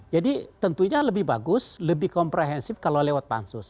jadi tentunya lebih bagus lebih komprehensif kalau lewat pansus